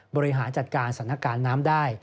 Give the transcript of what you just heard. บริหารจัดการสถานการณ์น้ำได้